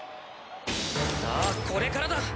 さぁこれからだ！